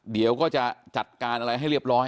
เดี๋ยวก็จะจัดการอะไรให้เรียบร้อย